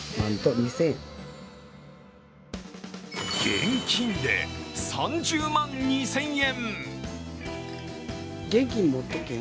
現金で３０万２０００円！